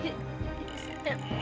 ibu di sini